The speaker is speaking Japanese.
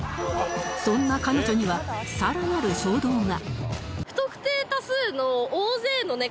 そんな彼女にはさらなる衝動が